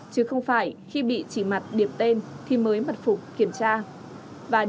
chứ không phải khi bị chỉ mặt điểm tên thì mới mật phục kiểm tra